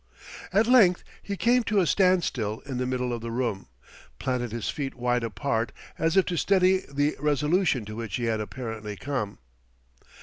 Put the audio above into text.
At length he came to a standstill in the middle of the room, planted his feet wide apart as if to steady the resolution to which he had apparently come.